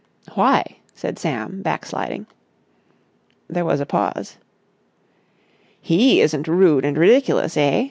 "Why?" said Sam, backsliding. There was a pause. "He isn't rude and ridiculous, eh?"